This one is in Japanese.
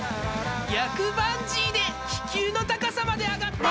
逆バンジーで気球の高さまで上がって。